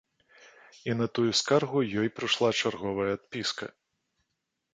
І на тую скаргу ёй прыйшла чарговая адпіска.